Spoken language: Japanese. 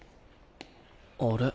あれ？